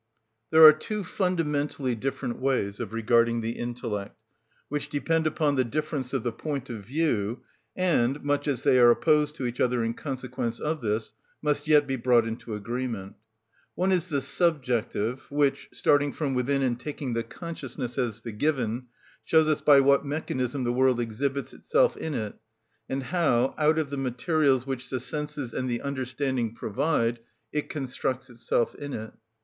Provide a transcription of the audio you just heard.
There are two fundamentally different ways of regarding the intellect, which depend upon the difference of the point of view, and, much as they are opposed to each other in consequence of this, must yet be brought into agreement. One is the subjective, which, starting from within and taking the consciousness as the given, shows us by what mechanism the world exhibits itself in it, and how, out of the materials which the senses and the understanding provide, it constructs itself in it.